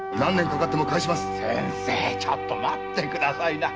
先生ちょっと待ってくださいな。